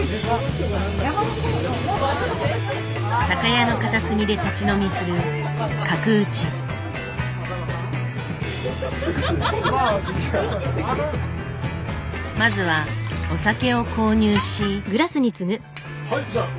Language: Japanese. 酒屋の片隅で立ち飲みするまずはお酒を購入し。